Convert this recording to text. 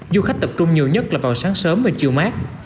du khách tập trung nhiều nhất là vào sáng sớm và chiều mát